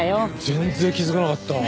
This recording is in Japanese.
全然気づかなかったわ。